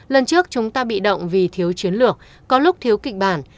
lần trước chúng ta bị động vì thiếu chiến lược có lúc thiếu kịch bản